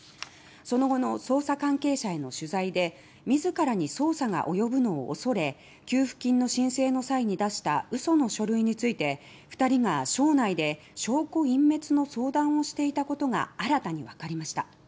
その後の捜査関係者への取材で自らに捜査が及ぶのを恐れ給付金の申請の際に出したうその書類について２人が省内で証拠隠滅の相談をしていたことが新たに分かりました。